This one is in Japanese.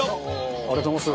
ありがとうございます。